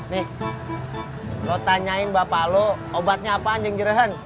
nih lo tanyain bapak lo obatnya apaan jengjerihen